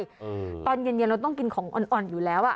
อืมตอนเย็นเย็นเราต้องกินของอ่อนอ่อนอยู่แล้วอ่ะ